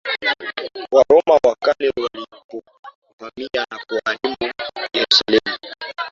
Waroma wa Kale walipovamia na kuharibu Yerusalemu